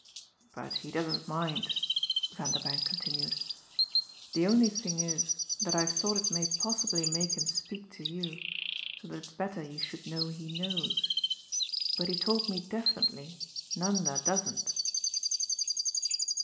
But he doesn't mind," Vanderbank continued. "The only thing is that I've thought it may possibly make him speak to you, so that it's better you should know he knows. But he told me definitely Nanda doesn't."